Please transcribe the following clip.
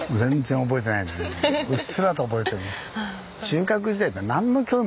うっすらと覚えてる。